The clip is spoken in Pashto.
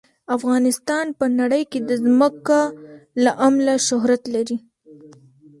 افغانستان په نړۍ کې د ځمکه له امله شهرت لري.